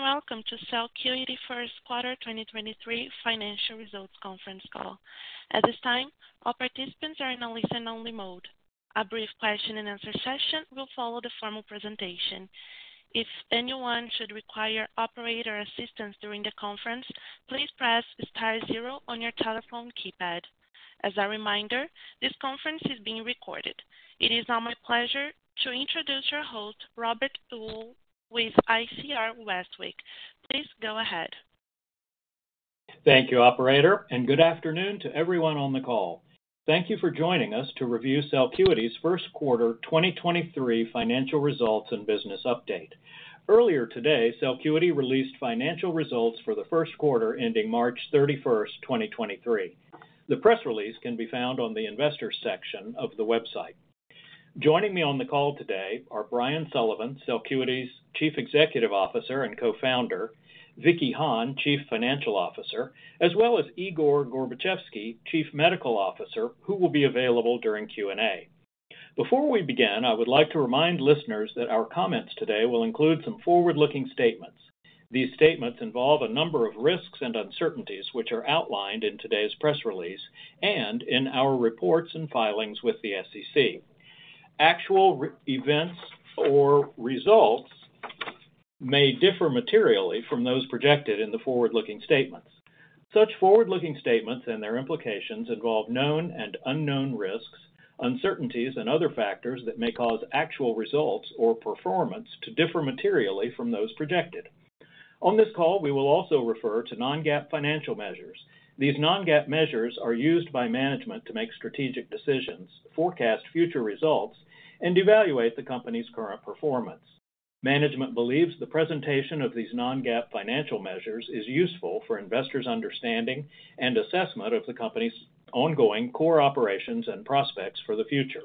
Welcome to Celcuity First Quarter 2023 Financial Results Conference Call. At this time, all participants are in a listen-only mode. A brief question and answer session will follow the formal presentation. If anyone should require operator assistance during the conference, please press star zero on your telephone keypad. As a reminder, this conference is being recorded. It is now my pleasure to introduce your host, Robert Uhl with ICR Westwicke. Please go ahead. Thank you, operator, and good afternoon to everyone on the call. Thank you for joining us to review Celcuity's First Quarter 2023 Financial Results and Business Update. Earlier today, Celcuity released financial results for the Q1 ending March 31, 2023. The press release can be found on the investors section of the website. Joining me on the call today are Brian Sullivan, Celcuity's Chief Executive Officer and Co-founder, Vicky Hahne, Chief Financial Officer, as well as Igor Gorbatchevsky, Chief Medical Officer, who will be available during Q&A. Before we begin, I would like to remind listeners that our comments today will include some forward-looking statements. These statements involve a number of risks and uncertainties, which are outlined in today's press release and in our reports and filings with the SEC. Actual events or results may differ materially from those projected in the forward-looking statements. Such forward-looking statements and their implications involve known and unknown risks, uncertainties, and other factors that may cause actual results or performance to differ materially from those projected. On this call, we will also refer to non-GAAP financial measures. These non-GAAP measures are used by management to make strategic decisions, forecast future results, and evaluate the company's current performance. Management believes the presentation of these non-GAAP financial measures is useful for investors' understanding and assessment of the company's ongoing core operations and prospects for the future.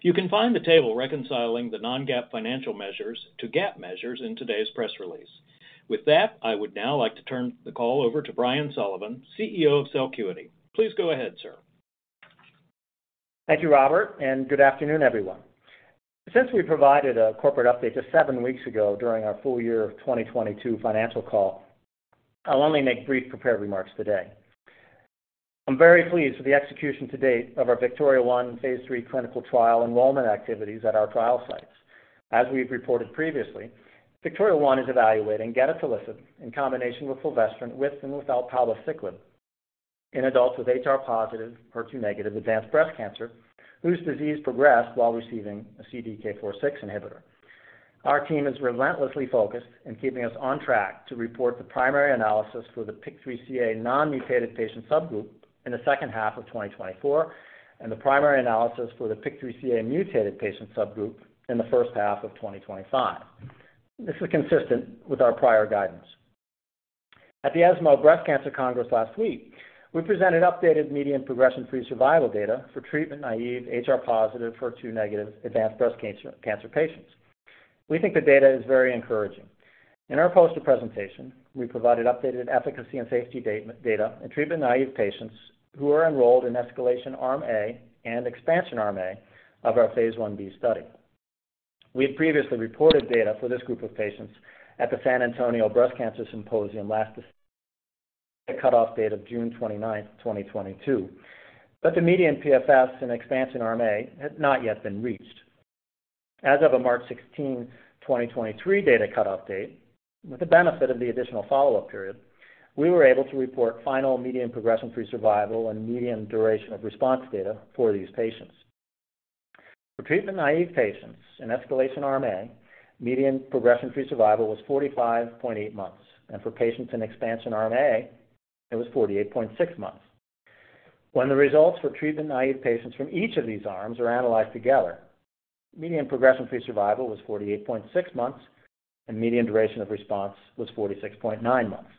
You can find the table reconciling the non-GAAP financial measures to GAAP measures in today's press release. With that, I would now like to turn the call over to Brian Sullivan, CEO of Celcuity. Please go ahead, sir. Thank you, Robert, and good afternoon, everyone. Since we provided a corporate update just seven weeks ago during our Full Year of 2022 Financial Call, I'll only make brief prepared remarks today. I'm very pleased with the execution to date of our VIKTORIA-1 phase III clinical trial enrollment activities at our trial sites. As we've reported previously, VIKTORIA-1 is evaluating gedatolisib in combination with fulvestrant, with and without palbociclib in adults with HR+, HER2- advanced breast cancer whose disease progressed while receiving a CDK4/6 inhibitor. Our team is relentlessly focused in keeping us on track to report the primary analysis for the PIK3CA non-mutated patient subgroup in the second half of 2024, and the primary analysis for the PIK3CA mutated patient subgroup in the first half of 2025. This is consistent with our prior guidance. At the ESMO Breast Cancer Congress last week, we presented updated median progression-free survival data for treatment-naive, HR+, HER2- advanced breast cancer patients. We think the data is very encouraging. In our poster presentation, we provided updated efficacy and safety data in treatment-naive patients who are enrolled in escalation arm A and expansion arm A of our phase I-B study. We had previously reported data for this group of patients at the San Antonio Breast Cancer Symposium last data cutoff date of June 29th, 2022. The median PFS in expansion arm A had not yet been reached. As of a March 16, 2023 data cutoff date, with the benefit of the additional follow-up period, we were able to report final median progression-free survival and median duration of response data for these patients. For treatment-naive patients in escalation arm A, median progression-free survival was 45.8 months. For patients in expansion arm A, it was 48.6 months. When the results for treatment-naive patients from each of these arms are analyzed together, median progression-free survival was 48.6 months, and median duration of response was 46.9 months.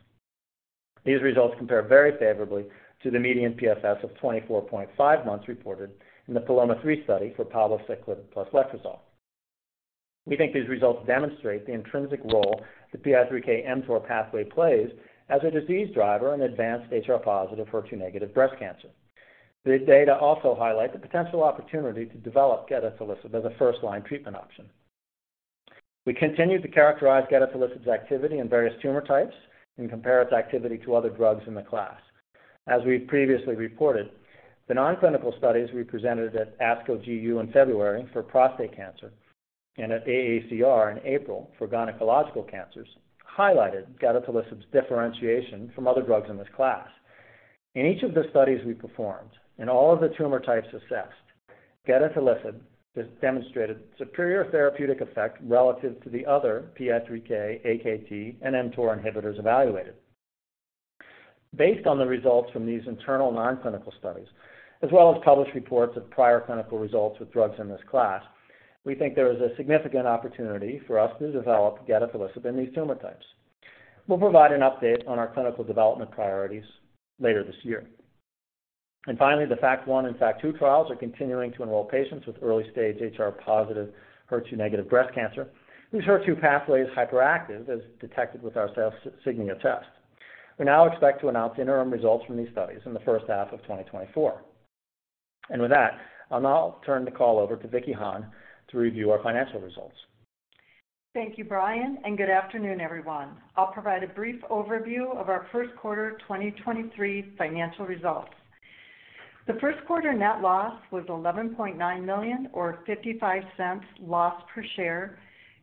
These results compare very favorably to the median PFS of 24.5 months reported in the PALOMA-3 study for palbociclib plus letrozole. We think these results demonstrate the intrinsic role the PI3K/mTOR pathway plays as a disease driver in advanced HR+ HER2- breast cancer. This data also highlight the potential opportunity to develop gedatolisib as a first-line treatment option. We continued to characterize gedatolisib's activity in various tumor types and compare its activity to other drugs in the class. As we've previously reported, the non-clinical studies we presented at ASCO GU in February for prostate cancer and at AACR in April for gynecological cancers highlighted gedatolisib's differentiation from other drugs in this class. In each of the studies we performed, in all of the tumor types assessed, gedatolisib has demonstrated superior therapeutic effect relative to the other PI3K, AKT, and mTOR inhibitors evaluated. Based on the results from these internal non-clinical studies, as well as published reports of prior clinical results with drugs in this class, we think there is a significant opportunity for us to develop gedatolisib in these tumor types. We'll provide an update on our clinical development priorities later this year. Finally, the FACT 1 and FACT 2 trials are continuing to enroll patients with early-stage HR+, HER2- breast cancer whose HER2 pathway is hyperactive as detected with our CELsignia test. We now expect to announce interim results from these studies in the first half of 2024. With that, I'll now turn the call over to Vicky Hahne to review our financial results. Thank you, Brian, and good afternoon, everyone. I'll provide a brief overview of our first quarter 2023 financial results. The first quarter net loss was $11.9 million or $0.55 loss per share,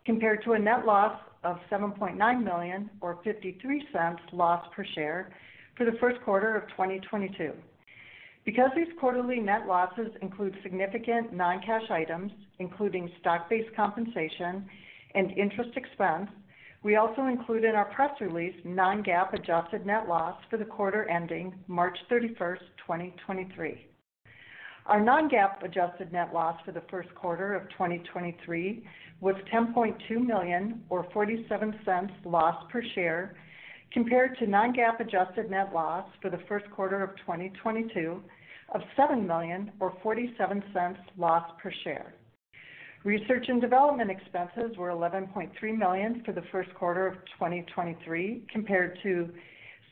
compared to a net loss of $7.9 million or $0.53 loss per share for the first quarter of 2022. Because these quarterly net losses include significant non-cash items, including stock-based compensation and interest expense, we also included our press release non-GAAP adjusted net loss for the quarter ending March 31, 2023. Our non-GAAP adjusted net loss for the first quarter of 2023 was $10.2 million or $0.47 loss per share, compared to non-GAAP adjusted net loss for the first quarter of 2022 of $7 million or $0.47 loss per share. Research and development expenses were $11.3 million for the first quarter of 2023, compared to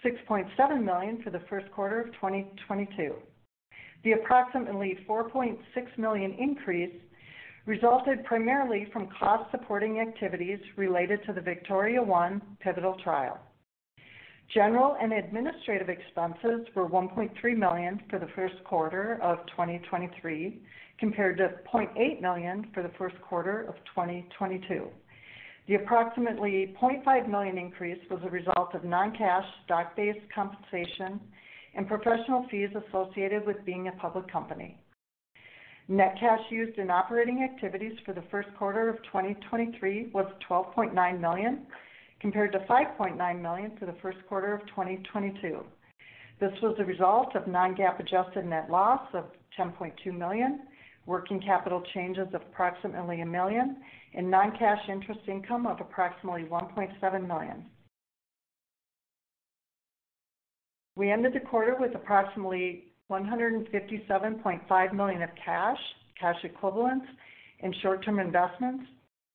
$6.7 million for the first quarter of 2022. The approximately $4.6 million increase resulted primarily from costs supporting activities related to the VIKTORIA-1 pivotal trial. General and administrative expenses were $1.3 million for the first quarter of 2023, compared to $0.8 million for the first quarter of 2022. The approximately $0.5 million increase was a result of non-cash stock-based compensation and professional fees associated with being a public company. Net cash used in operating activities for the first quarter of 2023 was $12.9 million, compared to $5.9 million for the first quarter of 2022. This was a result of non-GAAP adjusted net loss of $10.2 million, working capital changes of approximately $1 million and non-cash interest income of approximately $1.7 million. We ended the quarter with approximately $157.5 million of cash equivalents and short-term investments,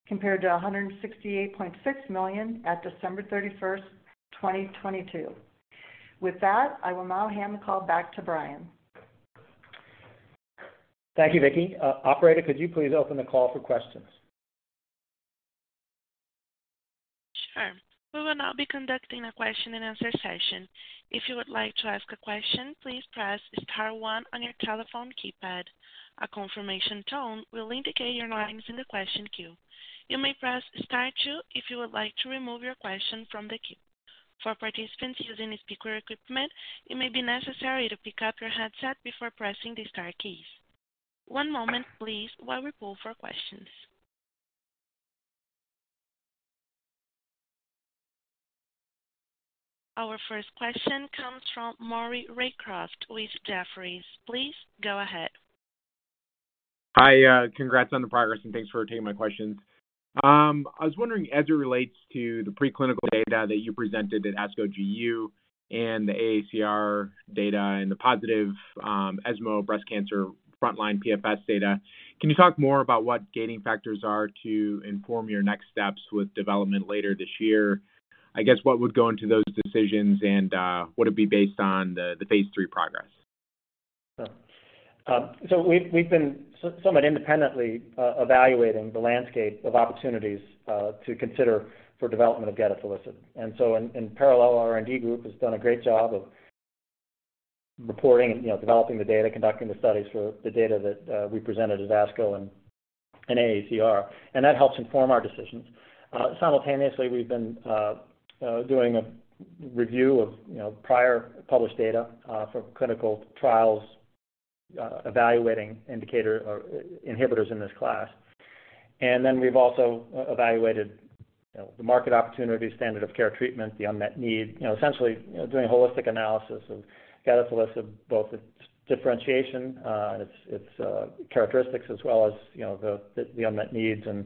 compared to $168.6 million at December 31st, 2022. With that, I will now hand the call back to Brian. Thank you, Vicky. Operator, could you please open the call for questions? Sure. We will now be conducting a question and answer session. If you would like to ask a question, please press star one on your telephone keypad. A confirmation tone will indicate your line is in the question queue. You may press star two if you would like to remove your question from the queue. For participants using speaker equipment, it may be necessary to pick up your headset before pressing the star keys. One moment please while we poll for questions. Our first question comes from Maury Raycroft with Jefferies. Please go ahead. Hi. Congrats on the progress and thanks for taking my questions. I was wondering, as it relates to the preclinical data that you presented at ASCO GU and the AACR data and the positive ESMO Breast Cancer frontline PFS data, can you talk more about what gating factors are to inform your next steps with development later this year? I guess, what would go into those decisions and would it be based on the phase III progress? We've been somewhat independently evaluating the landscape of opportunities to consider for development of gedatolisib. In parallel, our R&D group has done a great job of reporting and, you know, developing the data, conducting the studies for the data that we presented at ASCO and AACR. That helps inform our decisions. Simultaneously, we've been doing a review of, you know, prior published data for clinical trials evaluating indicator or inhibitors in this class. We've also evaluated, you know, the market opportunity, standard of care treatment, the unmet need, you know, essentially, you know, doing a holistic analysis of gedatolisib, both its differentiation and its characteristics as well as, you know, the unmet needs and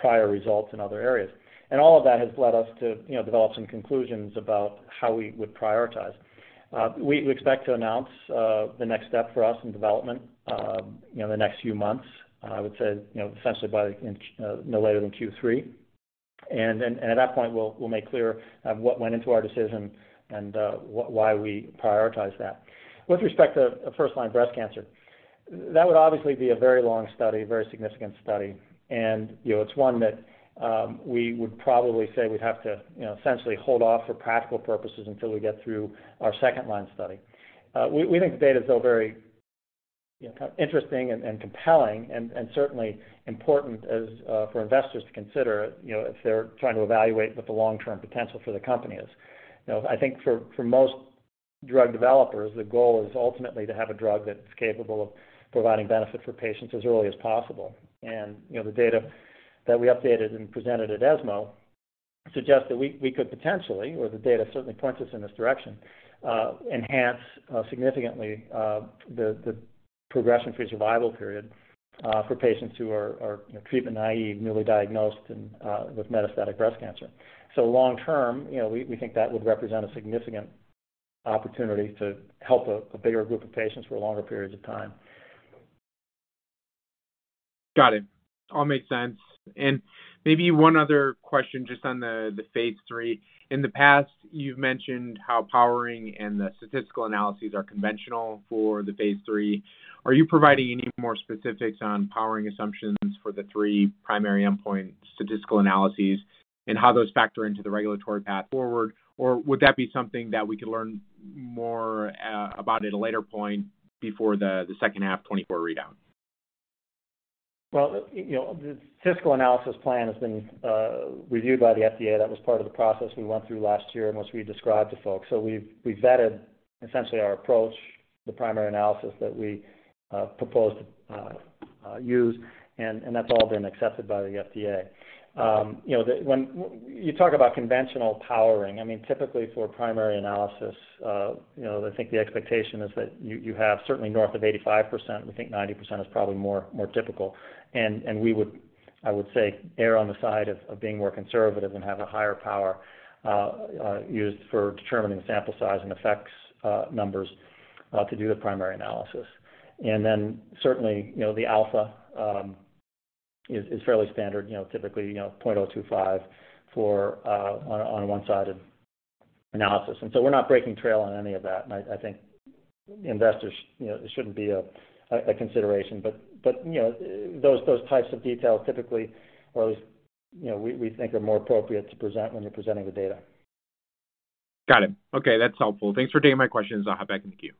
prior results in other areas. All of that has led us to, you know, develop some conclusions about how we would prioritize. We, we expect to announce the next step for us in development, you know, in the next few months. I would say, you know, essentially by no later than Q3. At that point, we'll make clear what went into our decision and why we prioritize that. With respect to first line breast cancer, that would obviously be a very long study, a very significant study. You know, it's one that we would probably say we'd have to, you know, essentially hold off for practical purposes until we get through our second line study. We think the data is still very, you know, interesting and compelling and certainly important as for investors to consider, you know, if they're trying to evaluate what the long-term potential for the company is. You know, I think for most drug developers, the goal is ultimately to have a drug that's capable of providing benefit for patients as early as possible. You know, the data that we updated and presented at ESMO suggests that we could potentially, or the data certainly points us in this direction, enhance significantly the progression-free survival period for patients who are, you know, treatment naive, newly diagnosed and with metastatic breast cancer. Long term, you know, we think that would represent a significant opportunity to help a bigger group of patients for longer periods of time. Got it. All makes sense. Maybe one other question just on the phase III. In the past, you've mentioned how powering and the statistical analyses are conventional for the phase III. Are you providing any more specifics on powering assumptions for the three primary endpoint statistical analyses and how those factor into the regulatory path forward? Would that be something that we could learn more about at a later point before the second half 2024 read out? Well, you know, the fiscal analysis plan has been reviewed by the FDA. That was part of the process we went through last year and which we described to folks. We've vetted essentially our approach, the primary analysis that we proposed to use, and that's all been accepted by the FDA. You know, when you talk about conventional powering, I mean, typically for primary analysis, you know, I think the expectation is that you have certainly north of 85%. We think 90% is probably more typical. We would, I would say, err on the side of being more conservative and have a higher power used for determining sample size and effects numbers to do the primary analysis. Certainly, you know, the alpha is fairly standard, you know, typically, you know, 0.025 for one-sided analysis. We're not breaking trail on any of that. I think investors, you know, it shouldn't be a consideration. You know, those types of details typically are always, you know, we think are more appropriate to present when you're presenting the data. Got it. Okay, that's helpful. Thanks for taking my questions. I'll hop back in the queue.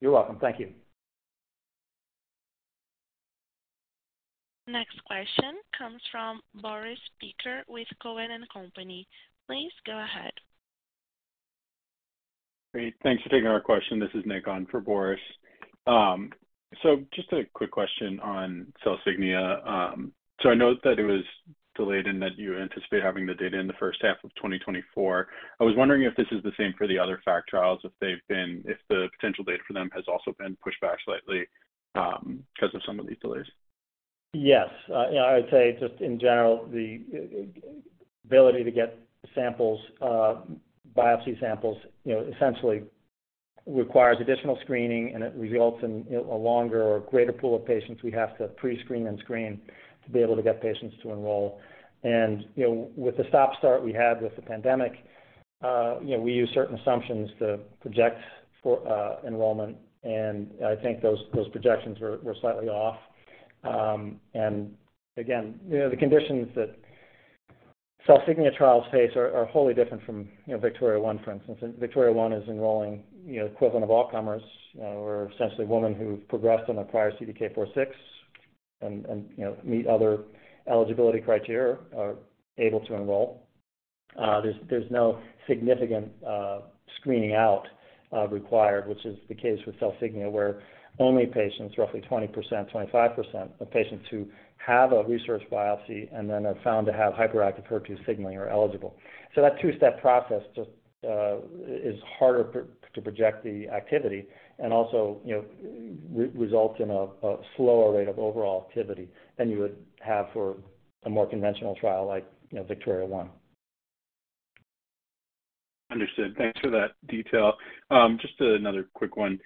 You're welcome. Thank you. Next question comes from Boris Peaker with Cowen and Company. Please go ahead. Great. Thanks for taking our question. This is Nick on for Boris. Just a quick question on CELsignia. I know that it was delayed and that you anticipate having the data in the first half of 2024. I was wondering if this is the same for the other fact trials, if the potential date for them has also been pushed back slightly, because of some of these delays. Yes. Yeah, I'd say just in general, the ability to get samples, biopsy samples, you know, essentially requires additional screening, and it results in a longer or greater pool of patients we have to pre-screen and screen to be able to get patients to enroll. You know, with the stop-start we had with the pandemic, you know, we use certain assumptions to project for enrollment, and I think those projections were slightly off. Again, you know, the conditions that CELsignia trials face are wholly different from, you know, VIKTORIA-1, for instance. VIKTORIA-1 is enrolling, you know, equivalent of all comers, or essentially women who've progressed on a prior CDK4/6 and, you know, meet other eligibility criteria are able to enroll. There's no significant screening out required, which is the case with CELsignia, where only patients, roughly 20%, 25% of patients who have a research biopsy and then are found to have hyperactive HER2 signaling are eligible. That two-step process just is harder to project the activity and also, you know, results in a slower rate of overall activity than you would have for a more conventional trial like, you know, VIKTORIA-1. Understood. Thanks for that detail. Just another quick one.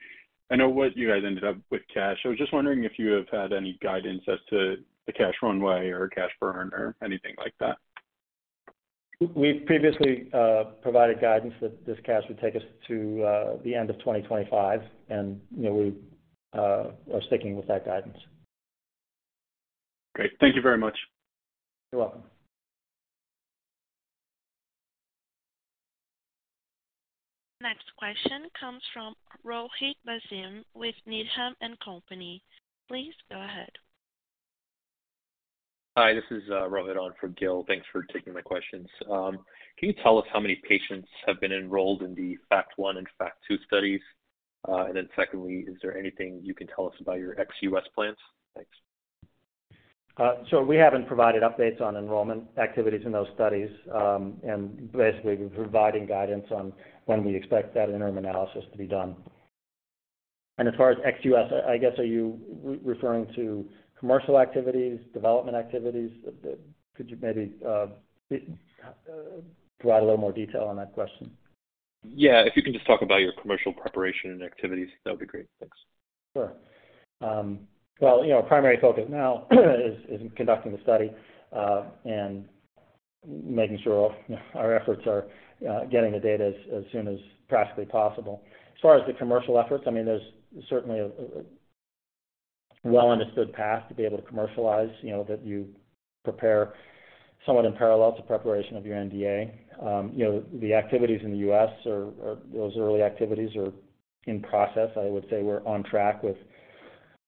I know what you guys ended up with cash. I was just wondering if you have had any guidance as to the cash runway or cash burn or anything like that? We've previously provided guidance that this cash would take us to the end of 2025. You know, we are sticking with that guidance. Great. Thank you very much. You're welcome. Next question comes from Rohit Bhasin with Needham & Company. Please go ahead. Hi, this is Rohit on for Gil. Thanks for taking my questions. Can you tell us how many patients have been enrolled in the FACT 1 and FACT 2 studies? Secondly, is there anything you can tell us about your ex-U.S. plans? Thanks. We haven't provided updates on enrollment activities in those studies, basically we're providing guidance on when we expect that interim analysis to be done. As far as ex U.S., I guess are you referring to commercial activities, development activities? Could you maybe provide a little more detail on that question? Yeah. If you can just talk about your commercial preparation and activities, that would be great. Thanks. Sure. Well, you know, primary focus now is conducting the study and making sure all our efforts are getting the data as soon as practically possible. As far as the commercial efforts, I mean, there's certainly a well understood path to be able to commercialize, you know, that you prepare somewhat in parallel to preparation of your NDA. You know, the activities in the U.S. are those early activities are in process. I would say we're on track with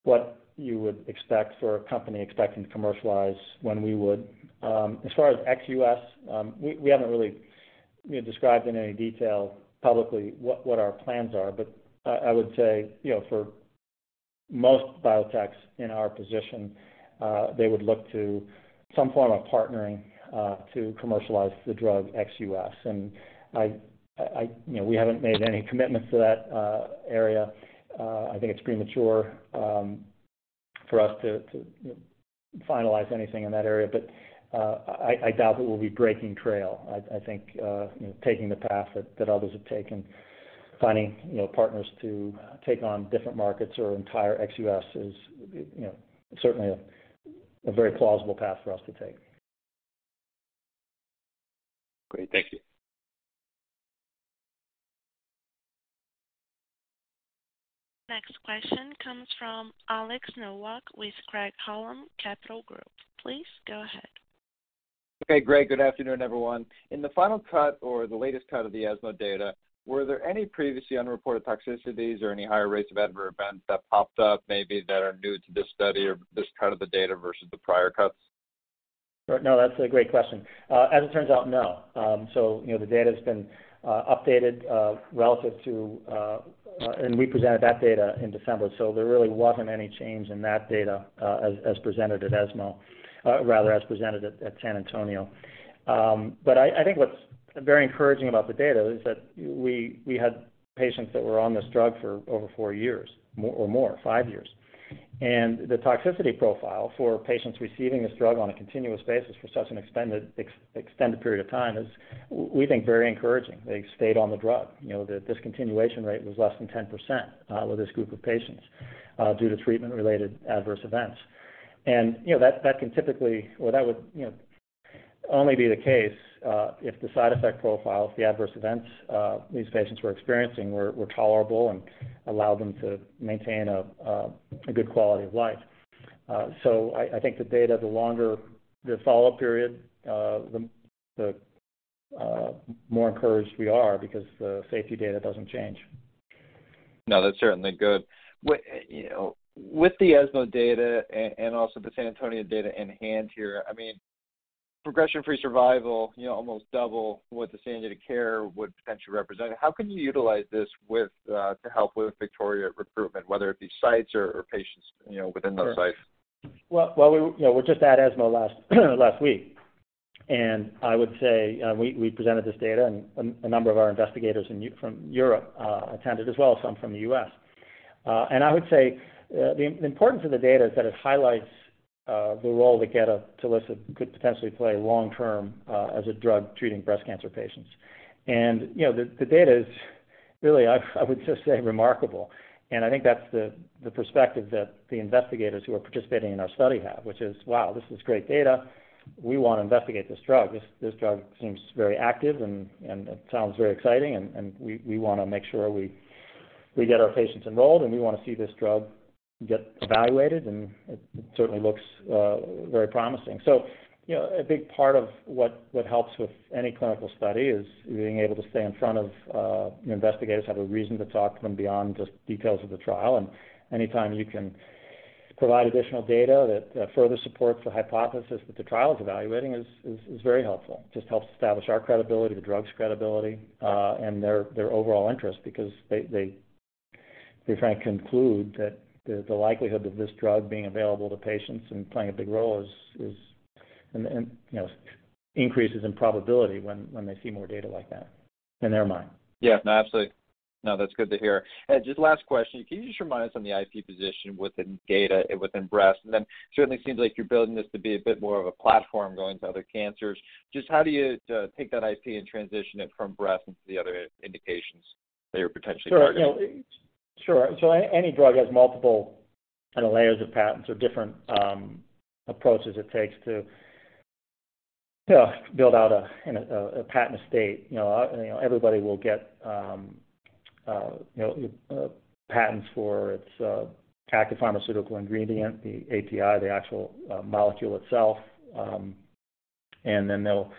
what you would expect for a company expecting to commercialize when we would. As far as ex-U.S., we haven't really, you know, described in any detail publicly what our plans are, but I would say, you know, for most biotechs in our position, they would look to some form of partnering to commercialize the drug ex-U.S. I, you know, we haven't made any commitments to that area. I think it's premature for us to finalize anything in that area, but I doubt it will be breaking trail. I think, you know, taking the path that others have taken. Finding, you know, partners to take on different markets or entire ex-U.S. is, you know, certainly a very plausible path for us to take. Great. Thank you. Next question comes from Alex Nowak with Craig-Hallum Capital Group. Please go ahead. Okay, Greg. Good afternoon, everyone. In the final cut or the latest cut of the ESMO data, were there any previously unreported toxicities or any higher rates of adverse events that popped up maybe that are new to this study or this cut of the data versus the prior cuts? No, that's a great question. As it turns out, no. You know, the data's been updated relative to, and we presented that data in December, so there really wasn't any change in that data as presented at ESMO. Rather, as presented at San Antonio. I think what's very encouraging about the data is that we had patients that were on this drug for over four years or more, five years. The toxicity profile for patients receiving this drug on a continuous basis for such an extended period of time is, we think, very encouraging. They stayed on the drug. You know, the discontinuation rate was less than 10% with this group of patients due to treatment-related adverse events. You know, that can typically or that would, you know, only be the case, if the side effect profiles, the adverse events, these patients were experiencing were tolerable and allowed them to maintain a good quality of life. I think the data, the longer the follow-up period, the more encouraged we are because the safety data doesn't change. No, that's certainly good. What, you know, with the ESMO data and also the San Antonio data in hand here, I mean, progression-free survival, you know, almost double what the standard care would potentially represent. How can you utilize this with to help with VIKTORIA-1 recruitment, whether it be sites or patients, you know, within those sites? Well, we, you know, we were just at ESMO last week. I would say, we presented this data and a number of our investigators from Europe attended as well, some from the U.S. I would say, the importance of the data is that it highlights the role that gedatolisib could potentially play long term as a drug treating breast cancer patients. You know, the data is really, I would just say remarkable. I think that's the perspective that the investigators who are participating in our study have, which is, "Wow, this is great data. We wanna investigate this drug. This drug seems very active and it sounds very exciting, and we wanna make sure we get our patients enrolled, and we wanna see this drug get evaluated, and it certainly looks very promising." You know, a big part of what helps with any clinical study is being able to stay in front of, you know, investigators, have a reason to talk to them beyond just details of the trial. Anytime you can provide additional data that further supports the hypothesis that the trial is evaluating is very helpful. Just helps establish our credibility, the drug's credibility, and their overall interest because they're trying to conclude that the likelihood of this drug being available to patients and playing a big role is, and, you know, increases in probability when they see more data like that in their mind. Yeah. No, absolutely. No, that's good to hear. Just last question. Can you just remind us on the IP position within data within breast? Certainly seems like you're building this to be a bit more of a platform going to other cancers. Just how do you take that IP and transition it from breast into the other in-indications that you're potentially targeting? Sure. You know. Sure. Any drug has multiple kinda layers of patents or different approaches it takes to, you know, build out a, you know, a patent estate. You know, you know, everybody will get, you know, patents for its active pharmaceutical ingredient, the API, the actual molecule itself. Then they'll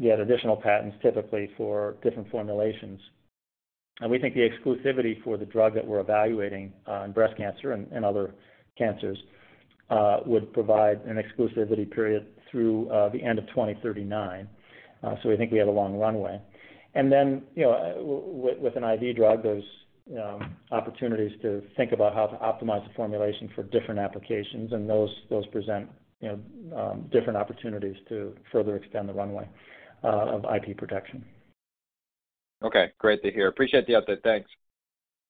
get additional patents typically for different formulations. We think the exclusivity for the drug that we're evaluating in breast cancer and other cancers would provide an exclusivity period through the end of 2039. We think we have a long runway. Then, you know, with an IV drug, there's opportunities to think about how to optimize the formulation for different applications, and those present, you know, different opportunities to further extend the runway of IP protection. Okay. Great to hear. Appreciate the update. Thanks.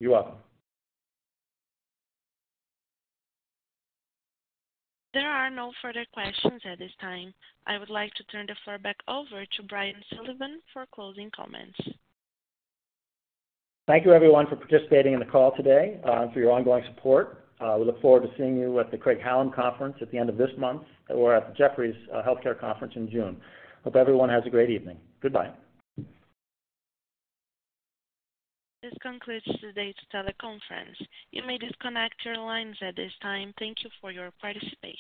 You are welcome. There are no further questions at this time. I would like to turn the floor back over to Brian Sullivan for closing comments. Thank you everyone for participating in the call today, and for your ongoing support. We look forward to seeing you at the Craig-Hallum Conference at the end of this month or at the Jefferies Healthcare Conference in June. Hope everyone has a great evening. Goodbye. This concludes today's teleconference. You may disconnect your lines at this time. Thank you for your participation.